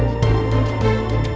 aduh gimana sih